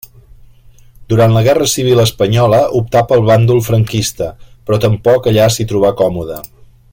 Durant la guerra civil espanyola optà pel bàndol franquista, però tampoc allà s'hi trobà còmode.